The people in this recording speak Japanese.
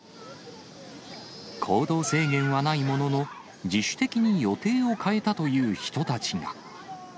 行動制限はないものの、自主的に予定を変えたという人たちが。